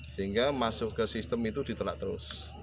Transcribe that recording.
sehingga masuk ke sistem itu ditolak terus